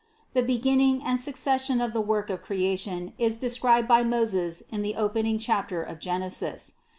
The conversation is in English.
The beginning and succession of the work of Creation is described by Moses in the opening chapter of Genesis.